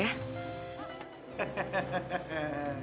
aku ingin menangkapmu